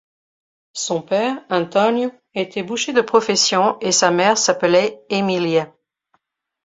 Son père, Antonio, était boucher de profession et sa mère s'appelait Emilia.